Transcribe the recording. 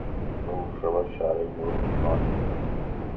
بەو شەوە چارەی نوێن چۆن بکەین؟